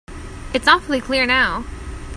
It's awfully clear now.